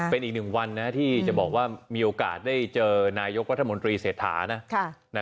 เป็นอีกหนึ่งวันนะที่จะบอกว่ามีโอกาสได้เจอนายกรัฐมนตรีเศรษฐานะ